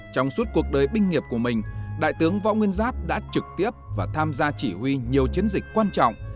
trong suốt cuộc đời binh nghiệp của mình đại tướng võ nguyên giáp đã trực tiếp và tham gia chỉ huy nhiều chiến dịch quan trọng